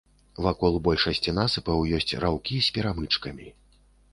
Вакол большасці насыпаў ёсць раўкі з перамычкамі.